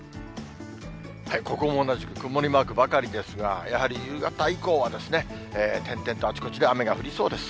ここも同じく、曇りマークばかりですが、やはり夕方以降は転々とあちこちで雨が降りそうです。